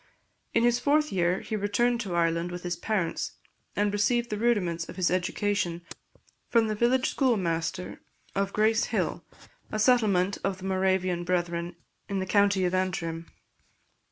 In his fourth year he returned to Ireland with his parents, and received the rudiments of his education from the village schoolmaster of Grace Hill, a settlement of the Moravian Brethren in the county of Antrim.